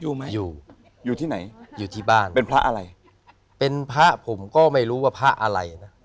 อยู่ไหมอยู่อยู่ที่ไหนอยู่ที่บ้านเป็นพระอะไรเป็นพระผมก็ไม่รู้ว่าพระอะไรนะ